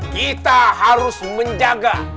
kita harus menjaga